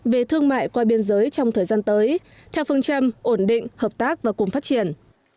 về thương mại qua biên giới trong thời gian tới theo phương châm ổn định hợp tác và cùng phát triển